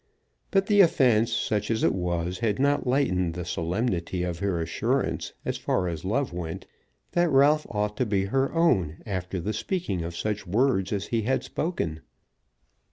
But the offence, such as it was, had not lightened the solemnity of her assurance, as far as love went, that Ralph ought to be her own after the speaking of such words as he had spoken.